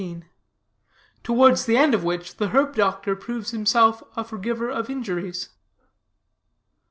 TOWARDS THE END OF WHICH THE HERB DOCTOR PROVES HIMSELF A FORGIVER OF INJURIES.